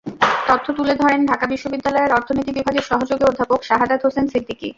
তথ্য তুলে ধরেন ঢাকা বিশ্ববিদ্যালয়ের অর্থনীতি বিভাগের সহযোগী অধ্যাপক সাহাদাত হোসেন সিদ্দিকী।